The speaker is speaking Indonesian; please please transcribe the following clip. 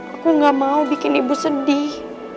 aku gak mau bikin ibu sedih